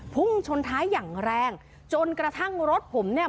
พุ่งชนท้ายอย่างแรงจนกระทั่งรถผมเนี่ย